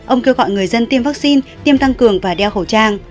ông kêu gọi người dân tiêm vaccine tiêm tăng cường và đeo khẩu trang